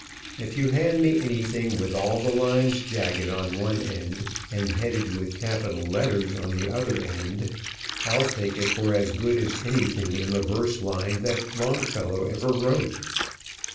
If you hand me anything with all the lines jagged on one end and headed with capital letters on the other end, I'll take it for as good as anything in the verse line that Longfellow ever wrote.